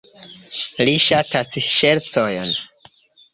Li ŝatas ŝercojn.